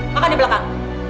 makan di belakang